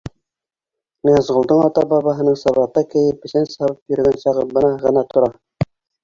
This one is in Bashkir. Ныязғолдоң ата-бабаһының сабата кейеп бесән сабып йөрөгән сағы бына ғына тора.